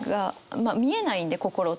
見えないんで心って。